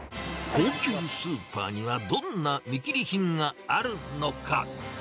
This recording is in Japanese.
高級スーパーにはどんな見切り品があるのか。